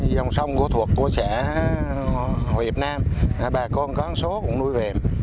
dòng sông thuộc của xã hòa hiệp nam bà con có một số nuôi vẹm